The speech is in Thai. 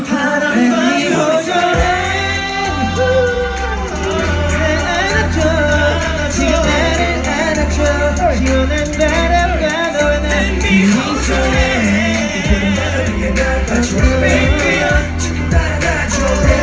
เยี่ยมมาก